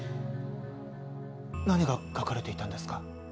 何が書かれていたんですか？